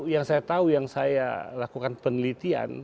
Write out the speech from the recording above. yang saya tahu yang saya lakukan penelitian